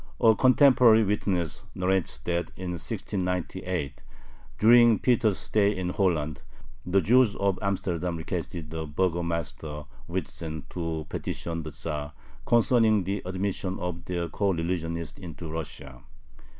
A contemporary witness narrates that, in 1698, during Peter's stay in Holland, the Jews of Amsterdam requested the burgomaster Witsen to petition the Tzar concerning the admission of their coreligionists into Russia.